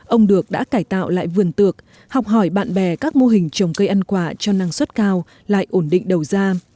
ông được đã cải tạo lại vườn tược học hỏi bạn bè các mô hình trồng cây ăn quả cho năng suất cao lại ổn định đầu ra